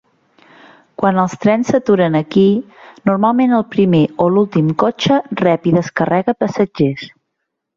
Quan els trens s'aturen aquí, normalment el primer o últim cotxe rep i descarrega passatgers.